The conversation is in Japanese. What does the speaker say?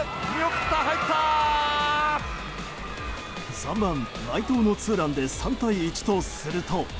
３番、内藤のツーランで３対１とすると。